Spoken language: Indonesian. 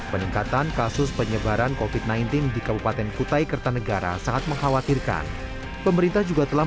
yang kofit naintin di kabupaten kutai kertanegara sangat mengkhawatirkan pemerintah juga telah